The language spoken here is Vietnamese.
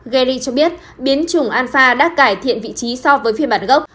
gary cho biết biến chủng alpha đã cải thiện vị trí so với phiên bản gốc